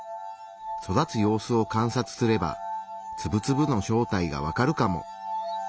育つ様子を観察すればツブツブの正体がわかるかも。